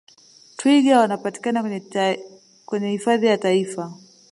twiga Wanapatikana kwenye hifadhi za taifa